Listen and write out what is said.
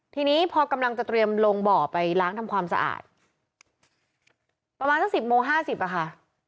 ทีนี้พอกำลังจะเตรียมลงบ่อไปล้างทำความสะอาดประมาณสักสิบโมงห้าสิบอ่ะค่ะ